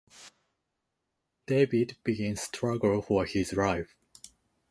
David begins struggle for his life.